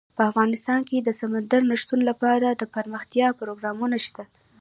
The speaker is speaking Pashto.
افغانستان کې د سمندر نه شتون لپاره دپرمختیا پروګرامونه شته.